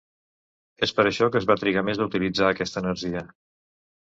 És per això que es va trigar més a utilitzar aquesta energia.